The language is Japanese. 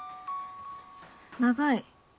長い